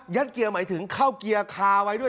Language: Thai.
เกียร์หมายถึงเข้าเกียร์คาไว้ด้วย